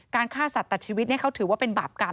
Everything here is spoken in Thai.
ฆ่าสัตว์ตัดชีวิตเขาถือว่าเป็นบาปกรรม